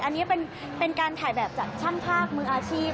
อันนี้เป็นการถ่ายแบบจากช่างภาพมืออาชีพ